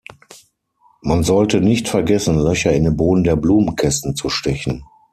Man sollte nicht vergessen, Löcher in den Boden der Blumenkästen zu stechen.